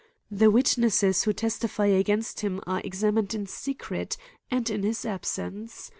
The witnesses who testify against him are examined in secret, and in his absence.